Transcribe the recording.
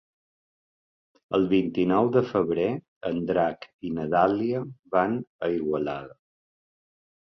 El vint-i-nou de febrer en Drac i na Dàlia van a Igualada.